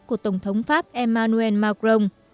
của tổng thống pháp emmanuel macron